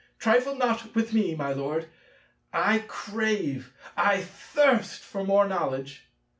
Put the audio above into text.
Trifle not with me, my Lord; I crave, I thirst, for more knowledge.